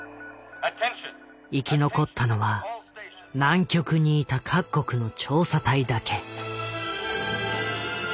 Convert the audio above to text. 生き残ったのは南極にいた各国の調査隊だけ。